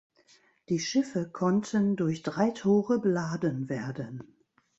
Die Schiffe konnten durch drei Tore beladen werden.